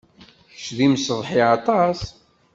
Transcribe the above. Kečč d imseḍsi aṭas.